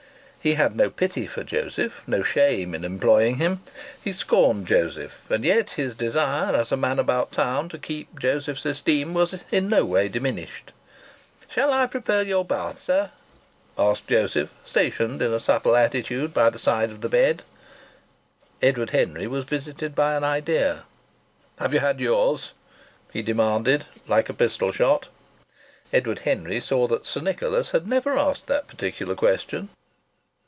He had no pity for Joseph, no shame in employing him. He scorned Joseph; and yet his desire, as a man about town, to keep Joseph's esteem, was in no way diminished! "Shall I prepare your bath, sir?" asked Joseph, stationed in a supple attitude by the side of the bed. Edward Henry was visited by an idea. "Have you had yours?" he demanded like a pistol shot. Edward Henry saw that Sir Nicholas had never asked that particular question.